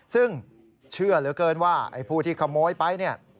ซึ่งเชื่อเหลือเกินว่าไอ้ผู้ที่ขโมยไปเนี่ย